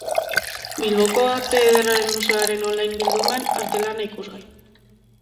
Bilboko Arte Ederren Museoaren online bilduman artelana ikusgai